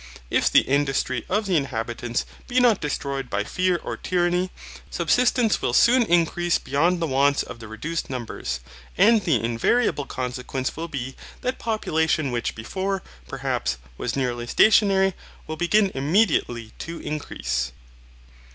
If the industry of the inhabitants be not destroyed by fear or tyranny, subsistence will soon increase beyond the wants of the reduced numbers, and the invariable consequence will be that population which before, perhaps, was nearly stationary, will begin immediately to increase.